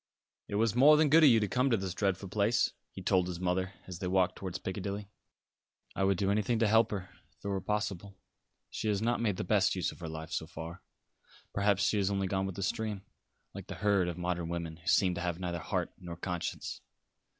"It was more than good of you to come to this dreadful place," he told his mother, as they walked towards Piccadilly. "I would do anything to help her, if it were possible. She has not made the best use of her life, so far. Perhaps she has only gone with the stream, like the herd of modern women, who seem to have neither heart nor conscience.